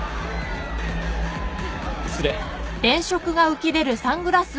失礼。